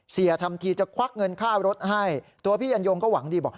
ทำทีจะควักเงินค่ารถให้ตัวพี่ยันยงก็หวังดีบอก